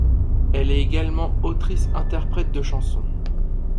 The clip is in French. Elle est également autrice-interprète de chansons.